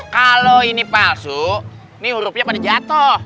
kalau ini palsu ini hurufnya pada jatuh